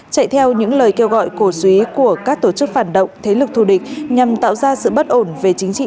chạy theo những lời kêu gọi cổ suý của các tổ chức phản động thế lực thù địch nhằm tạo ra sự bất ổn về chính trị